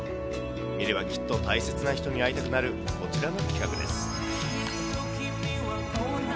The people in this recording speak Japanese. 見ればきっと大切な人に会いたくなるこちらの企画です。